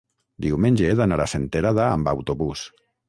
diumenge he d'anar a Senterada amb autobús.